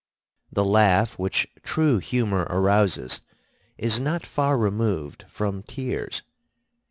The laugh which true humor arouses is not far removed from tears.